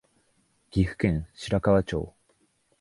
岐阜県白川町